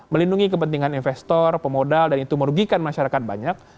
melindungi kepentingan investor pemodal dan itu merugikan masyarakat banyak